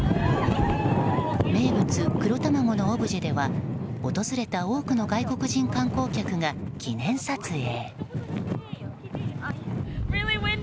名物・黒たまごのオブジェでは訪れた多くの外国人観光客が記念撮影。